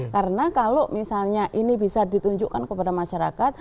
karena kalau misalnya ini bisa ditunjukkan ke bumd itu bisa ditunjukkan ke bumd